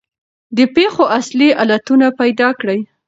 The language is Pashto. د پېښو اصلي علتونه پیدا کړئ.